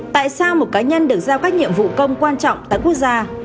tại sao một cá nhân được giao các nhiệm vụ công quan trọng tại quốc gia